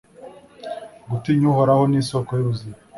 Gutinya Uhoraho ni isoko y’ubuzima